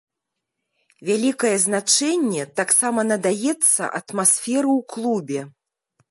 Вялікае значэнне таксама надаецца атмасферы ў клубе.